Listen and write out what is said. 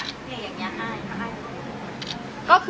สวัสดีครับ